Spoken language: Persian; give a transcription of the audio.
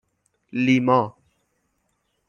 لیما